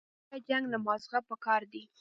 بچيه جنگ له مازغه پکار دي.